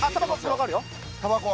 たばこ！